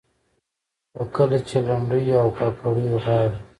خو کله چې لنډيو او کاکړيو غاړو